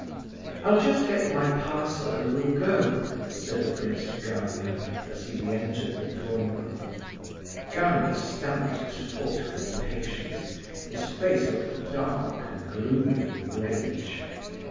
"I'll just get my parcel and we'll go," said the prince to Gania, as he re entered the drawing room. Gania stamped his foot with impatience. His face looked dark and gloomy with rage.